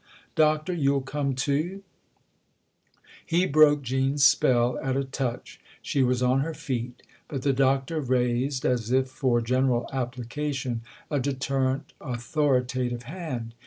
" Doctor, you'll come too ?" He broke Jean's spell at a touch ; she was on her feet ; but the Doctor raised, as if for general applica tion, a deterrent, authoritative hand.